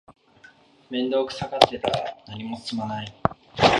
面倒くさがってたら何も進まない